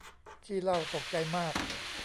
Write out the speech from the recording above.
ขี้เหล้าตกใจมาก